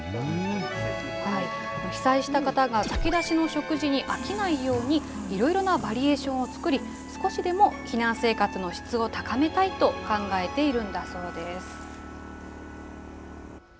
被災した方が炊き出しの食事に飽きないようにいろいろなバリエーションを作り、少しでも避難生活の質を高めたいと考えているんだそうです。